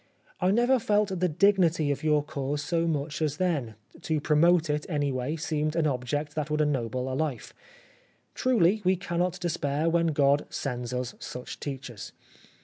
I never felt the dignity of your cause so much as then — to promote it any way seemed an object that would ennoble a life. Truly, we cannot de spair when God sends us such teachers.